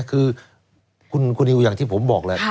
คือคุณนิวอย่างที่ผมบอกแหละ